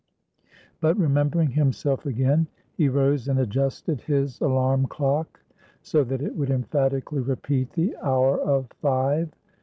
But remembering himself again, he rose and adjusted his alarm clock, so that it would emphatically repeat the hour of five.